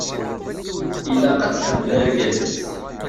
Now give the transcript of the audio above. Ilaq ad tḥemmel argaz-is.